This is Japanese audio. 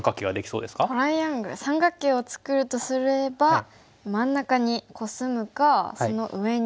トライアングル三角形を作るとすれば真ん中にコスむかその上に。